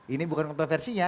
ini bukan kontroversinya